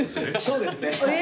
そうですね。